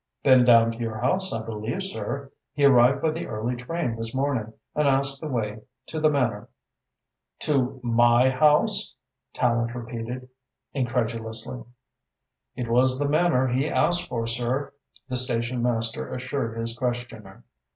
"Been down to your house, I believe, sir. He arrived by the early train this morning and asked the way to the Manor." "To my house?" Tallente repeated incredulously. "It was the Manor he asked for, sir," the station master assured his questioner.